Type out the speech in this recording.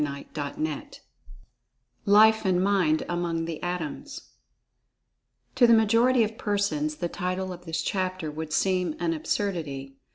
[Pg 41] CHAPTER IV LIFE AND MIND AMONG THE ATOMS TO the majority of persons the title of this chapter would seem an absurdity.